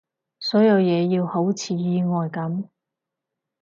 所有嘢要好似意外噉